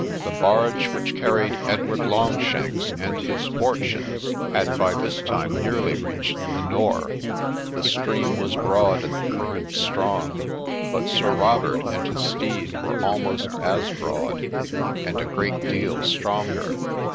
The barge which carried Edward Longshanks and his fortunes 60 GREY DOLPHIN had by this time nearly reached the Nore ; the stream was broad and the current strong, but Sir Robert and his steed were almost as broad, aud a great deal stronger.